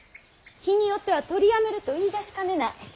日によっては取りやめると言いだしかねない。